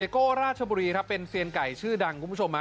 โก้ราชบุรีครับเป็นเซียนไก่ชื่อดังคุณผู้ชม